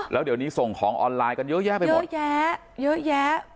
แล้วเดี๋ยวนี้ส่งของออนไลน์กันเยอะแยะไปหมดเยอะแยะเยอะแยะ